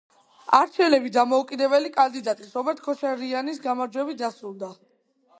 არჩევნები დამოუკიდებელი კანდიდატის, რობერტ ქოჩარიანის გამარჯვებით დასრულდა.